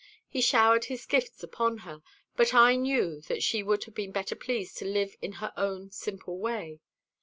He showered his gifts upon her; but I knew that she would have been better pleased to live in her own simple way.